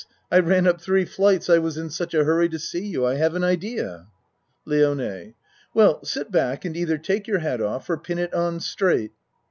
I ran up three flights I was in such a hurry to see you I have an idea. LIONE Well, sit back and either take your hat off or pin it on straight.